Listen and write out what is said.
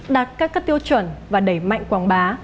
đạt các tiêu chuẩn và đẩy mạnh quảng bá